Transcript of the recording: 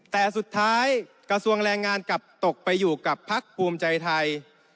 แต่สุดท้ายกระทรวงแรงงานกลับตกไปอยู่กับพักภูมิใจไทย